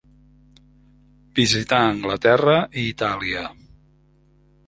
Visità Anglaterra i Itàlia.